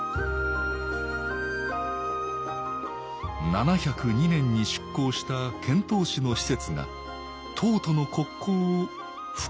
７０２年に出航した遣唐使の使節が唐との国交を復活させたのです